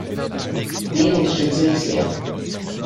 Den unterstütze ich sehr.